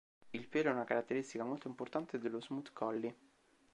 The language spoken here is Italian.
Il pelo è una caratteristica molto importante dello Smooth Collie.